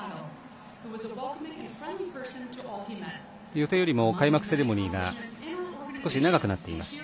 予定よりも開幕セレモニーが少し長くなっています。